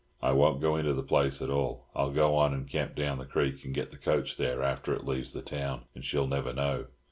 I won't go into the place at all. I'll go on and camp down the creek, and get the coach there after it leaves the town, and she'll never know."